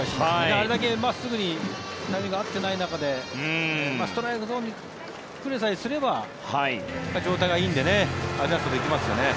あれだけ真っすぐに波が合っていない中でストライクゾーンに来れば状態がいいのでアジャストできますね。